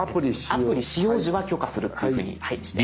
アプリ使用時は許可するというふうにしてあげて下さい。